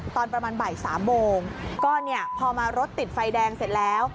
ตอนประมาณบ่ายสามโมงก็เนี่ยพอมารถติดไฟแดงเสร็จแล้ว